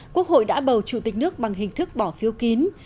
quốc hội đã bầu chủ tịch nước bằng hình thức bỏ phiếu kín